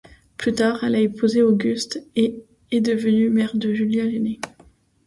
Plus tard elle a épousé Auguste et est devenue mère de Julia l'aînée.